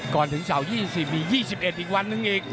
ก่อนถึงเสาร์๒๐อีก๒๑อีกวันหนึ่งอีก